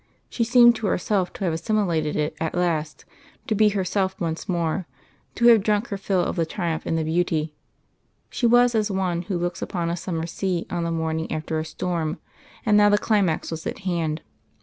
She seemed to herself to have assimilated it at last, to be herself once more, to have drunk her fill of the triumph and the beauty. She was as one who looks upon a summer sea on the morning after a storm. And now the climax was at hand.